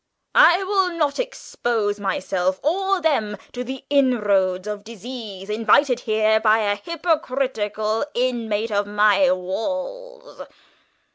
I will not expose myself or them to the inroads of disease invited here by a hypocritical inmate of my walls.